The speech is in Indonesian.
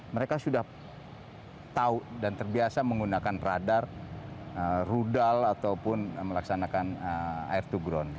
mereka sudah tahu dan terbiasa menggunakan radar rudal ataupun melaksanakan air to ground